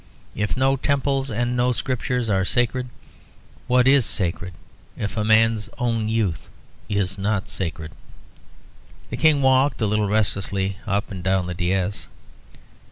If no temples and no scriptures are sacred, what is sacred if a man's own youth is not sacred?" The King walked a little restlessly up and down the daïs.